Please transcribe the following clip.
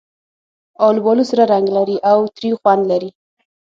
آلوبالو سره رنګ لري او تریو خوند لري.